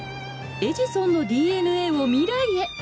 エジソンのＤＮＡを未来へ！